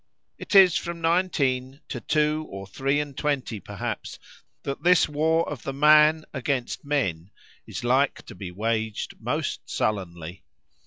It is from nineteen to two or three and twenty perhaps that this war of the man against men is like to be waged most sullenly.